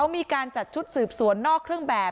มีการจัดชุดสืบสวนนอกเครื่องแบบ